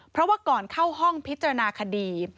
เพราะว่าก่อนเข้าห้องพิจารณาคดี